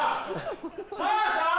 母さん！